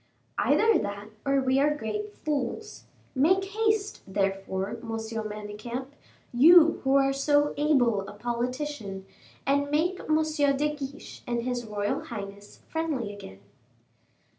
"Either that or we are great fools. Make haste, therefore, M. Manicamp, you who are so able a politician, and make M. de Guiche and his royal highness friendly again."